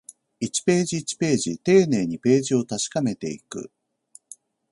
一ページ、一ページ、丁寧にページを確かめていく